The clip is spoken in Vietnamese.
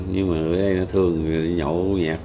nhưng mà người ở đây nó thường nhậu nhạc